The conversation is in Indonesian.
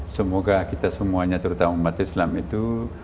semoga kita semuanya terutama umat islam itu